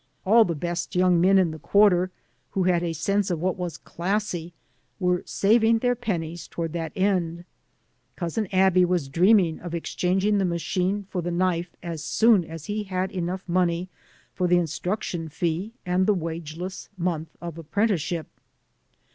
All the best young men in the quarter who had a sense of what was "classy" were saving their pennies toward that end. Cousin Aby was dreaming of exchanging the machine for the knife as soon as he had enough money for the instruction fee and the wageless month of apprenticeship.